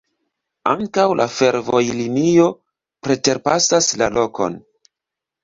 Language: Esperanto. Ankaŭ fervojlinio preterpasas la lokon.